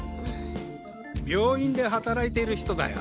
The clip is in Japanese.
病院で働いてる人だよ。